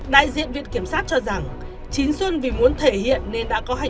đại diện viện kiểm sát cho rằng chín xuân vì muốn thể hiện nên đã có khó khăn